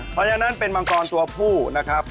เพราะฉะนั้นเป็นมังกรตัวผู้นะครับ